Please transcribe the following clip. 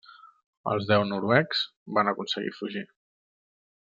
Els deu noruecs van aconseguir fugir.